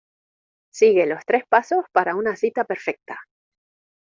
sigue los tres pasos para una cita perfecta.